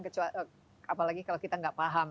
kecoa apalagi kalau kita enggak paham